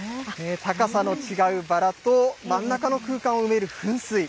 高さの違うバラと、真ん中の空間を埋める噴水。